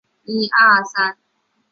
可以看出明显转变的痕迹